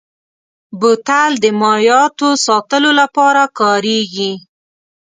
بوتل د مایعاتو ساتلو لپاره کارېږي.